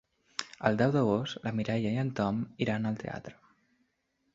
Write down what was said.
El deu d'agost na Mireia i en Tom iran al teatre.